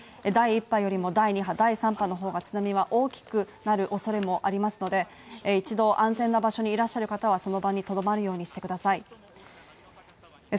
第一波よりも第２波第３波の方が津波は大きくなる恐れもありますので一度安全な場所にいらっしゃる方はその場に留まるようにしてください。